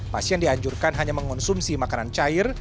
pasien dianjurkan hanya mengonsumsi makanan cair